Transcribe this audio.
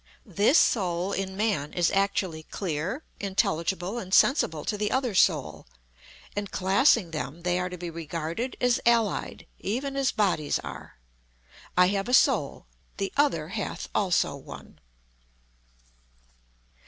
This soul in Man is actually clear, intelligible and sensible to the other soul, and, classing them, they are to be regarded as allied, even as bodies are. I have a soul the other hath also one."